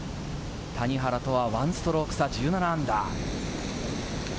谷原とは１ストローク差、−１７。